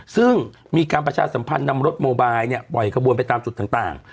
ซึ่งมีการประชาสัมพันธ์นำรถโมบายปล่อยขบวนไปตามจุดต่าง